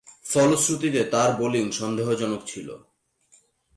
ফলশ্রুতিতে তার বোলিং সন্দেহজনক ছিল।